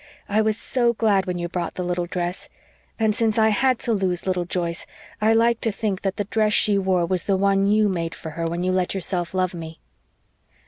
"I was so glad when you brought the little dress; and since I had to lose little Joyce I like to think that the dress she wore was the one you made for her when you let yourself love me."